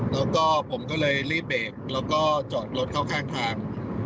แล้วก็ผมก็เลยรีบเบรกแล้วก็จอดรถเข้าข้างทาง